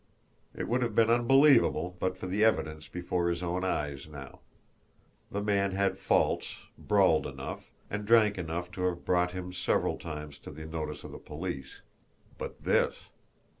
It would have been unbelievable but for the evidence before his own eyes now. The man had faults, brawled enough, and drank enough to have brought him several times to the notice of the police but this!